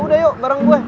udah yuk bareng gue